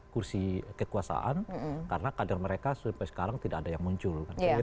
kursi kekuasaan karena kader mereka sampai sekarang tidak ada yang muncul